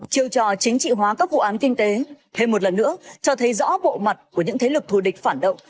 chiêu trò chính trị hóa các vụ án kinh tế thêm một lần nữa cho thấy rõ bộ mặt của những thế lực thù địch phản động